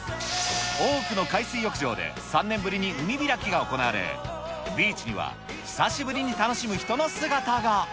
多くの海水浴場で、３年ぶりに海開きが行われ、ビーチには久しぶりに楽しむ人の姿が。